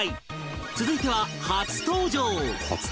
続いては初登場